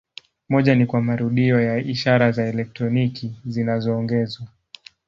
Moja ni kwa marudio ya ishara za elektroniki zinazoongezwa.